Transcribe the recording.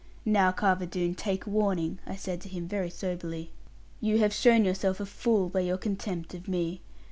'Now, Carver Doone, take warning,' I said to him, very soberly; 'you have shown yourself a fool by your contempt of me.